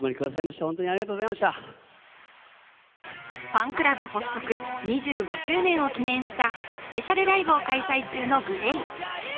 ファンクラブ発足２５周年を記念したスペシャルライブを開催中のＧＬＡＹ。